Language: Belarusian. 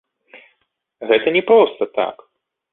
Гэта не проста так?